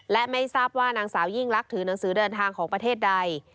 และไม่ทราบว่านางสาวยิ่งลักษณ์ถือหนังสือเดินทางของประเทศใด